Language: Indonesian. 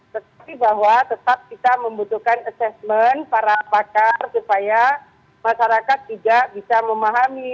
tetapi bahwa tetap kita membutuhkan assessment para pakar supaya masyarakat juga bisa memahami